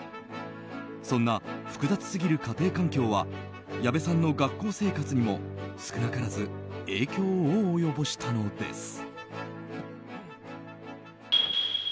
そんな複雑すぎる家庭環境は矢部さんの学校生活にも少なからず影響を及ぼしたのです。